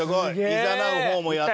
いざなう方もやったり。